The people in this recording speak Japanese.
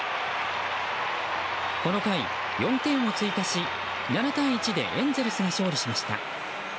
この回、４点を追加し７対１でエンゼルスが勝利しました。